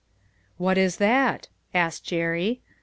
" What is that ?" asked Jerry.